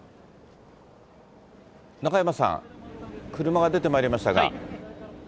中山さん、車が出てまいりましたが。